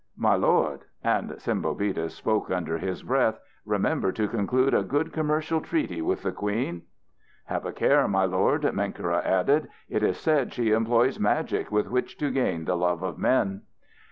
"My lord," and Sembobitis spoke under his breath, "remember to conclude a good commercial treaty with the queen." "Have a care, my lord," Menkera added. "It is said she employs magic with which to gain the love of men."